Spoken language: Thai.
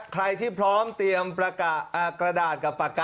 ใครที่พร้อมเตรียมประกาศ